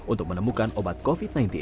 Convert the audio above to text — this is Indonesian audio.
untuk menemukan obat covid sembilan belas